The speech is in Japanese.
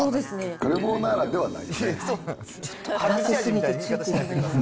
カルボナーラではないですね。